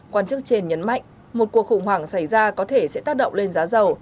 quan chức trên nhấn mạnh một cuộc khủng hoảng xảy ra có thể sẽ tác động lên giá dầu